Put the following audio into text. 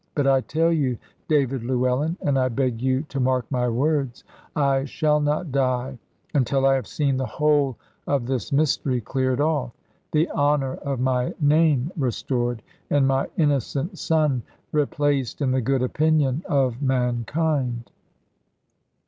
But I tell you, David Llewellyn, and I beg you to mark my words, I shall not die until I have seen the whole of this mystery cleared off, the honour of my name restored, and my innocent son replaced in the good opinion of mankind."